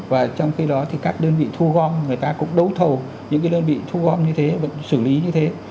và trong khi đó thì các đơn vị thu gom người ta cũng đấu thầu những đơn vị thu gom như thế vẫn xử lý như thế